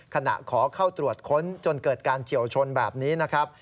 ขอเข้าตรวจค้นจนเกิดการเฉียวชนแบบนี้นะครับ